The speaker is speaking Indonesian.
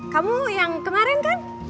kamu yang kemarin kan